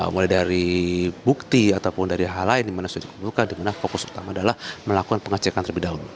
mulai dari bukti ataupun dari hal lain di mana sudah dikumpulkan di mana fokus utama adalah melakukan pengecekan terlebih dahulu